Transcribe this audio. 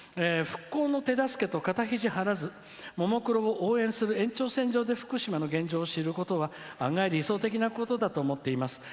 「復興の手助けと肩肘張らずももクロを応援する延長線上で福島の現状を知ることは案外理想的なことだと思っています。